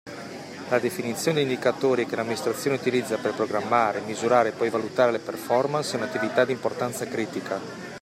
La definizione degli indicatori che l'amministrazione utilizza per programmare, misurare e poi valutare la performance è un'attività di importanza critica.